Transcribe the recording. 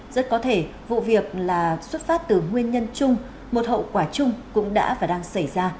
rất có thể vụ việc là xuất phát từ nguyên nhân chung một hậu quả chung cũng đã và đang xảy ra